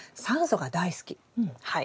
はい。